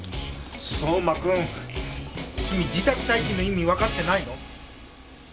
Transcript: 相馬くん君自宅待機の意味わかってないの？